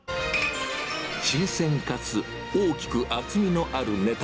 新鮮かつ大きく厚みのあるネタ。